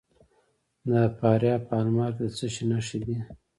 د فاریاب په المار کې د څه شي نښې دي؟